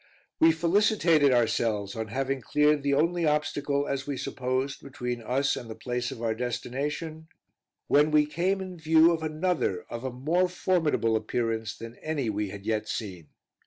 We felicitated ourselves on having cleared the only obstacle, as we supposed, between us and the place of our destination, when we came in view of another, of a more formidable appearance than any we had yet seen.